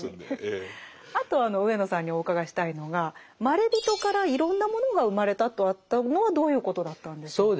あと上野さんにお伺いしたいのがまれびとからいろんなものが生まれたとあったのはどういうことだったんでしょうか。